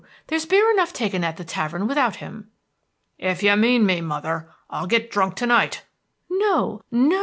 There's beer enough taken at the tavern without him." "If you mean me, mother, I'll get drunk tonight." "No, no!"